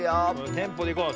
テンポでいこう。